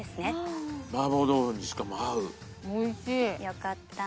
よかった。